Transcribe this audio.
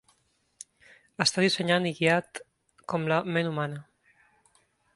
Està dissenyat i guiat, com la ment humana.